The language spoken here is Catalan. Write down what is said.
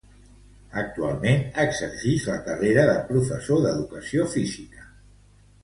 Actualment exercix la carrera de professor d'educació física.